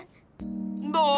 どう？